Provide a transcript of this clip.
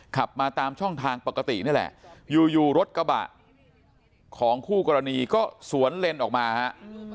ขับมาตามช่องทางปกตินี่แหละอยู่อยู่รถกระบะของคู่กรณีก็สวนเลนออกมาฮะ